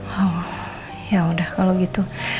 wow ya udah kalau gitu